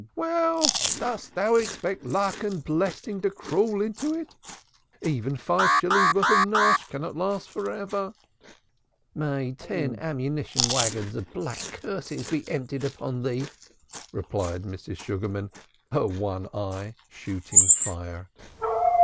"Well, dost thou expect luck and blessing to crawl into it? Even five shillings' worth of nash cannot last for ever. May ten ammunition wagons of black curses be discharged on thee!" replied Mrs. Sugarman, her one eye shooting fire.